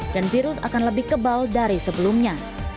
dan virus akan lebih kebal dari sebelumnya